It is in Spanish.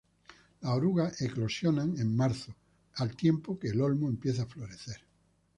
Las orugas eclosionan en marzo al tiempo que el olmo empieza a florecer.